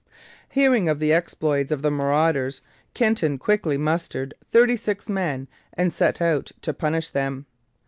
Hearing of the exploits of the marauders, Kenton quickly mustered thirty six men and set out to punish them.